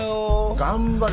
頑張れ！